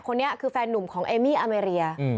คนนี้คือแฟนนุ่มของเอมี่อเมรีย